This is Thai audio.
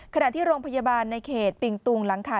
ทั้งที่โรงพยาบาลในที่ปริงตุงหลังคา